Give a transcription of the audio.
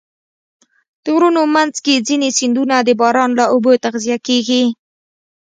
د غرونو منځ کې ځینې سیندونه د باران له اوبو تغذیه کېږي.